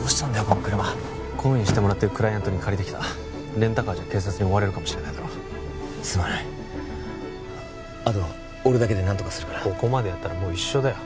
この車懇意にしてもらってるクライアントに借りてきたレンタカーじゃ警察に追われるかもしれないだろすまないあとは俺だけで何とかするからここまでやったらもう一緒だよ